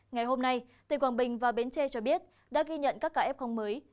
ngày hôm nay tỉnh quảng bình và bến tre cho biết đã ghi nhận các ca f mới